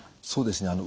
そうですね。